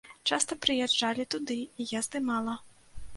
Часта прыязджалі туды, і я здымала.